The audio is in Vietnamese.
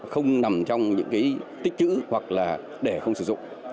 không nằm trong những cái tích chữ hoặc là để không sử dụng